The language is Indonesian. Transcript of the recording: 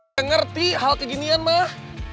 yang ngerti hal keginian mah